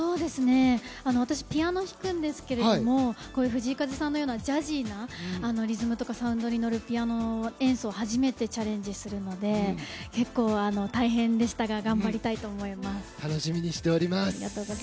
私、ピアノを弾くんですけども藤井風さんのようなジャジーなリズムとかサウンドに乗るピアノを演奏するのは初めてチャレンジするので結構、大変でしたが楽しみにしております。